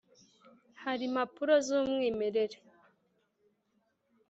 hari mpapuro z’umwimerere